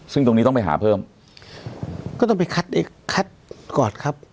ซึ่งตรงนี้ต้องไปหาเพิ่มก็ต้องไปคัดอีกคัดก่อนครับ